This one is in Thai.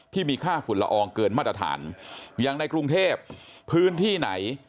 ที่มีค่าฝุ่นละอองเกินมาตรฐานอย่างในกรุงเทพพื้นที่ไหน